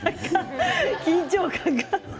緊張感が。